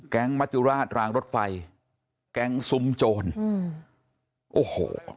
แก๊งมัจจุราชรางรถไฟแก๊งซุ้มโจรอ้อฮู